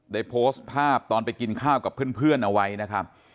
ได้โพสต์ภาพตอนไปกินข้าวกับเพื่อนเอาไว้นะครับ